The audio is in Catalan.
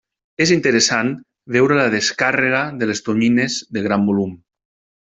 És interessant veure la descàrrega de les tonyines de gran volum.